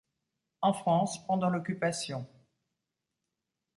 En France, pendant l'Occupation.